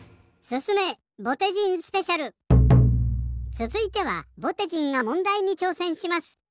つづいてはぼてじんがもんだいにちょうせんします。